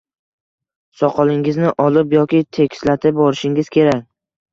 Soqolingizni olib yoki tekislatib borishingiz kerak.